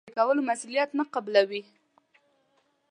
دوی د خدماتو وړاندې کولو مسولیت نه قبلوي.